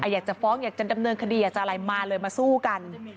อยากจะฟ้องอยากจะดำเนินคดีอยากจะอะไรมาเลยมาสู้กัน